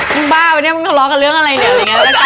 มึงบ้าไปเนี่ยมึงขอร้องกับเรื่องอะไรเนี่ยอะไรอย่างนี้